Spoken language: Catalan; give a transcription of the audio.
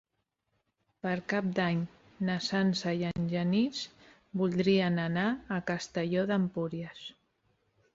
Per Cap d'Any na Sança i en Genís voldrien anar a Castelló d'Empúries.